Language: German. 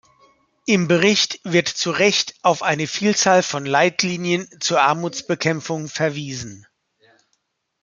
Im Bericht wird zu Recht auf eine Vielzahl von Leitlinien zur Armutsbekämpfung verwiesen.